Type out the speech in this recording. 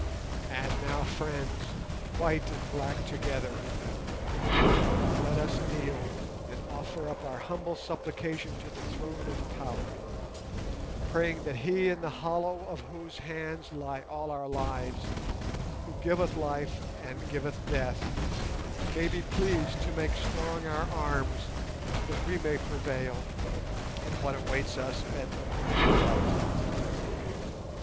And now, friends—white and black together—let us kneel and offer up our humble supplication to the Throne of Power, praying that He in the hollow of Whose hand lie all our lives, Who giveth life and giveth death, may be pleased to make strong our arms that we may prevail in what awaits us at the morning's light."